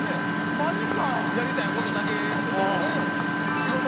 マジか⁉やりたいことだけやってたらね。